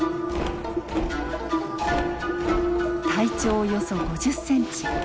体長およそ５０センチ。